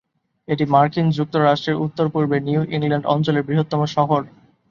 এটি মার্কিন যুক্তরাষ্ট্রের উত্তর-পূর্বে নিউ ইংল্যান্ড অঞ্চলের বৃহত্তম শহর।